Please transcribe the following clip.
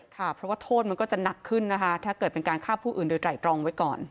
ค่ะเพราะว่าโทษมันก็จะหนักขึ้นนะคะถ้าเกิดเป็นการฆ่าผู้อื่นโดยไตรตรองไว้ก่อน